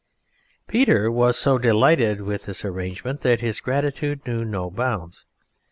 Peter was so delighted with this arrangement that his gratitude knew no bounds.